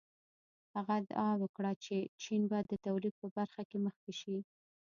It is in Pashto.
هغه ادعا وکړه چې چین به د تولید په برخه کې مخکې شي.